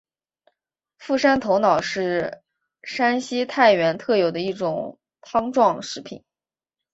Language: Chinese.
傅山头脑是山西太原特有的一种汤状食品。